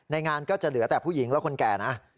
งานก็จะเหลือแต่ผู้หญิงและคนแก่นะ